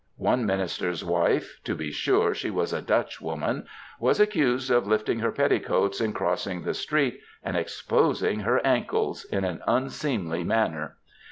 One minister's wife ŌĆö to be sure she was a Dutch woman ŌĆö was accused of lifting her petticoats in crossing the street and exposing her ankles in an unseemly manner.